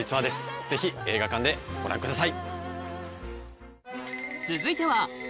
ぜひ映画館でご覧ください。